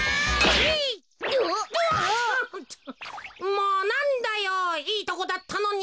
もうなんだよいいとこだったのに。